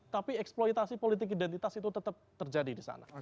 tapi eksploitasi politik identitas itu tetap terjadi di sana